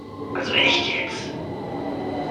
Also echt jetzt!